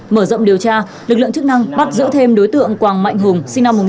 mở rộng điều tra lực lượng chức năng bắt giữ thêm đối tượng quảng mạnh hùng sinh năm một nghìn chín trăm tám mươi